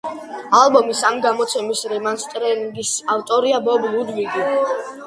ალბომის ამ გამოცემის რემასტერინგის ავტორია ბობ ლუდვიგი.